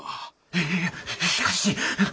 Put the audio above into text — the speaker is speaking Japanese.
いやしかし。